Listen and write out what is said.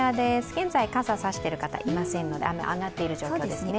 現在、傘を差している方はいませんので、雨、上がっている状況ですね。